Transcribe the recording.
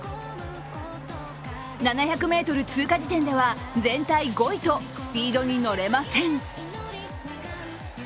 ７００ｍ通過時点では全体５位とスピードに乗れません。